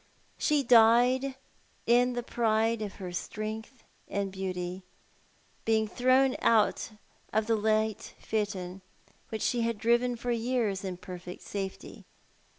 She died in the pride of her strength and beauty, being thrown out of the light phaeton which she had driven for years in perfect safety.